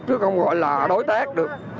chứ không gọi là đối tác được